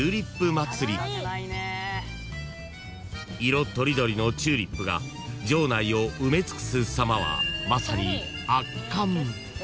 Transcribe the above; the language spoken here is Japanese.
［色とりどりのチューリップが場内を埋め尽くすさまはまさに圧巻］